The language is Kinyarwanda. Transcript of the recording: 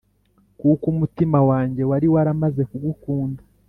kuko umutima wanjye wari waramaze kugukunda